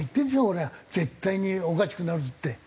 俺は絶対におかしくなるって。